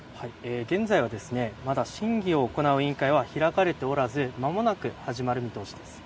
現在はまだ審議を行う委員会は開かれておらず、まもなく始まる見通しです。